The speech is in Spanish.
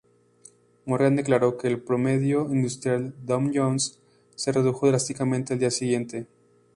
Morgan declaró que el Promedio Industrial Dow Jones se redujo drásticamente al día siguiente.